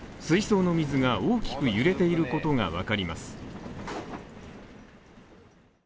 水槽の水が大きく揺れていることがわかります。